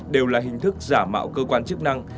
đều là hình thức giả mạo cơ quan chức năng